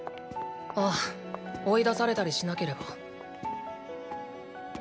ああ追い出されたりしなければ。